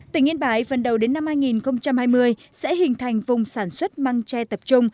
tỉnh yên bái phần đầu đến năm hai nghìn hai mươi sẽ hình thành vùng sản xuất măng tre tập trung